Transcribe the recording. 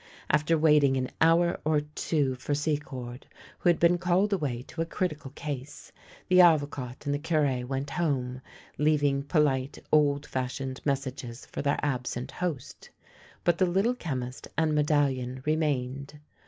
After waiting an hour or two for Secord, who had been called away to a critical case, the Avocat and the Cure went home, leaving polite old fashioned messages for their absent host ; but the Little Chemist and Aledallion remained.